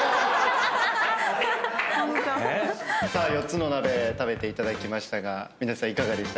４つの鍋食べていただきましたが皆さんいかがでしたか？